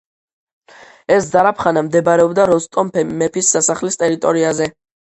ეს ზარაფხანა მდებარეობდა როსტომ მეფის სასახლის ტერიტორიაზე.